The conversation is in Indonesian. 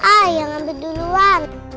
ayam yang ambil duluan